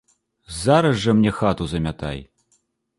Зараз жа мне хату замятай!